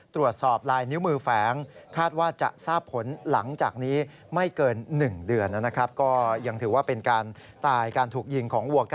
ตรวจสอบลายนิ้วมือแฝง